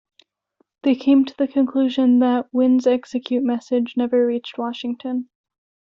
They came to the conclusion that "winds execute" message never reached Washington.